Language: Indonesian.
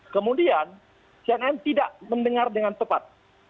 kemudian cnn tidak mendengar dengan tepat